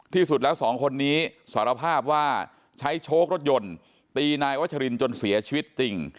ที่สุดแล้วสองคนนี้สารภาพว่าใช้โชครถยนต์ตีนายวัชรินจนเสียชีวิตจริง